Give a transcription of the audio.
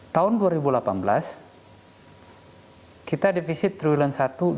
tahun dua ribu delapan belas kita defisit tribulan satu dua ratus enam puluh satu